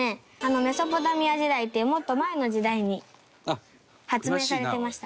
メソポタミア時代というもっと前の時代に発明されてました。